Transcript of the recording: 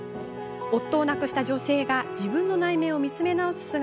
夫を亡くした女性が自分の内面を見つめ直す